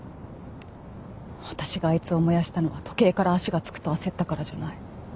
私があいつを燃やしたのは時計から足がつくと焦ったからじゃない。